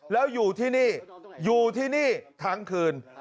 แล้วอยู่ที่นี่อยู่ที่นี่ทั้งคืน